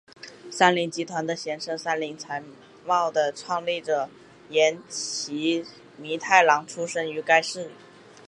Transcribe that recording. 三菱集团的前身三菱财阀的创立者岩崎弥太郎出身于该市。